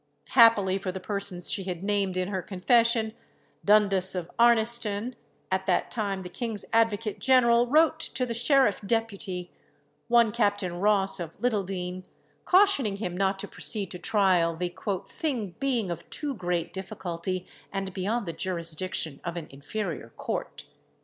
Happily for the persons she had named in her confession, Dundas of Arniston, at that time the king's advocate general, wrote to the sheriff depute, one Captain Ross of Littledean, cautioning him not to proceed to trial, the "thing being of too great difficulty, and beyond the jurisdiction of an inferior court."